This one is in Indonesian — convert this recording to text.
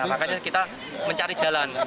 makanya kita mencari jalan